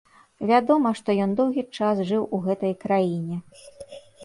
Вядома, што ён доўгі час жыў у гэтай краіне.